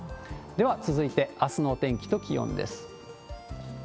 では続いて、あすのお天気と気温です。